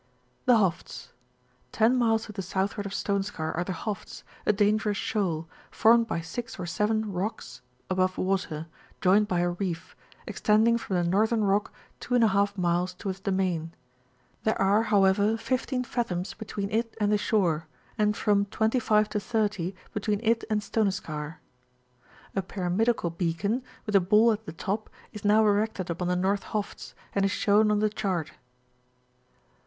TBS BOFTS. — ^Ten miles to the southward of Stoneskar are the Hofts, a danger ous shoal, formed of six or seven rocks above water, joined by a reef, extending from the Northern Rock 2^ miles towards the main; there are, however, 15 fathoms between THE GULF OF FINLAND. 13 it and the shore, and from 25 to 30 between it and Stoneskar. A pyramidical beacon, with a ball at the top, is now erected upon the North Hofts, and is shown on the chart.